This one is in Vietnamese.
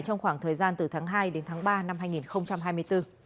trong khoảng thời gian từ tháng hai đến tháng ba năm hai nghìn hai mươi bốn